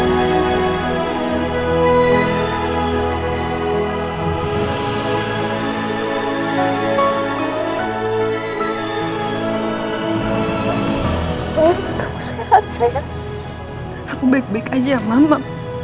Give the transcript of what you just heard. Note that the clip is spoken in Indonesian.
kamu sehat saya bebek aja mama